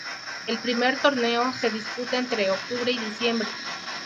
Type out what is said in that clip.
El primer torneo se disputa entre octubre y diciembre.